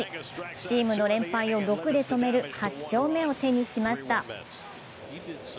チームの連敗を６で止める８勝目を手にしました。